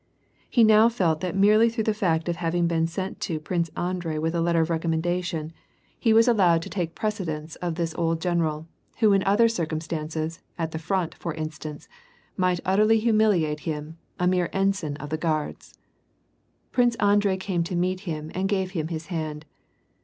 He now felt that merely through the fact of having been sent to Prince Andrei with a letter of recommendation he was allowed 302 WAk AND PEACB. to take precedence of this old general, who in other ciiconi stances, at the front, for instance, might utterly humiliate him — a mere ensign of the Guards. Prince Andrei came to meet him and gave him his hand.